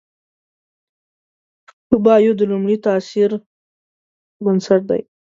ښه بایو د لومړي تاثر بنسټ دی.